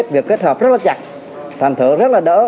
việc kết hợp rất chặt thành thử rất là đỡ